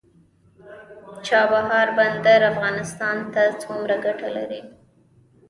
چابهار بندر افغانستان ته څومره ګټه لري؟